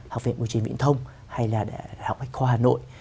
học viện bộ truyền viện thông hay là học viện khóa hà nội